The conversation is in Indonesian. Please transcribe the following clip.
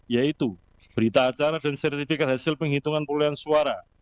yaitu berita acara dan sertifikat hasil penghitungan pemulihan suara